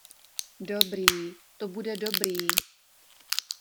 Dobrý, to bude dobrý...